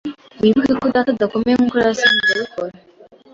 Wibuke ko Data adakomeye nkuko yari asanzwe abikora.